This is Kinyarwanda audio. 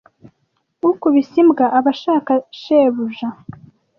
Ukubise imbwa aba ashaka shebuja